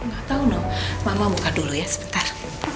gak tau noh mama buka dulu ya sebentar